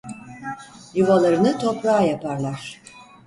Yuvalarını toprağa yaparlar.